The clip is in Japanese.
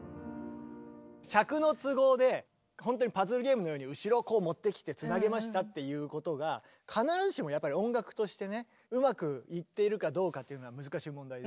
尺の都合でパズルゲームのように後ろをこう持ってきてつなげましたっていうことが必ずしもやっぱり音楽としてねうまくいっているかどうかっていうのは難しい問題で。